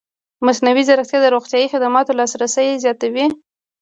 مصنوعي ځیرکتیا د روغتیايي خدماتو لاسرسی زیاتوي.